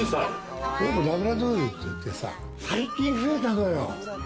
ラブラドゥードルって言ってさ、最近増えたのよ。